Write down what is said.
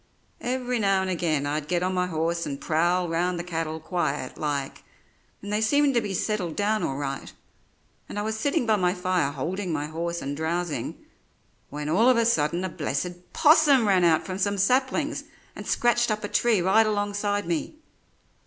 Every now and again I'd get on my horse and prowl round the cattle quiet like, and they seemed to be settled down all right, and I was sitting by my fire holding my horse and drowsing, when all of a sudden a blessed 'possum ran out from some saplings and scratched up a tree right alongside me.